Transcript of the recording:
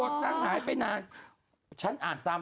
ลีน่าจังลีน่าจังลีน่าจัง